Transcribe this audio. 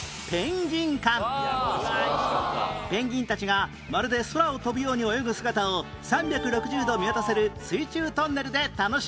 ペンギンたちがまるで空を飛ぶように泳ぐ姿を３６０度見渡せる水中トンネルで楽しめるように